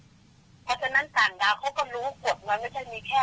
เพราะฉะนั้นต่างดาวเขาก็รู้กฎมันไม่ใช่มีแค่